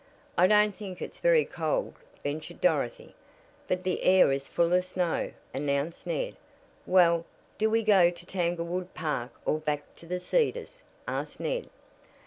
"I don't think it's very cold," ventured Dorothy. "But the air is full of snow," announced Ned. "Well, do we go to Tanglewood Park or back to The Cedars?" asked Ned.